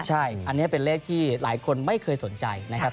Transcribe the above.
ใช่อันนี้เป็นเลขที่หลายคนไม่เคยสนใจนะครับ